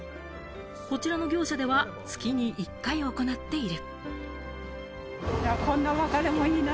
こちらの業者では、月に１回行っている。